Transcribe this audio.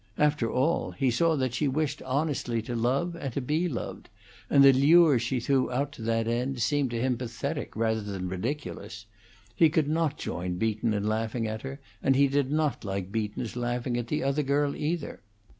After all, he saw that she wished honestly to love and to be loved, and the lures she threw out to that end seemed to him pathetic rather than ridiculous; he could not join Beaton in laughing at her; and he did not like Beaton's laughing at the other girl, either.